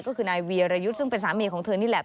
ก็คือนายวีรยุทธ์ซึ่งเป็นสามีของเธอนี่แหละ